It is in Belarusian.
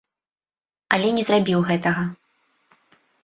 Але не зрабіў гэтага.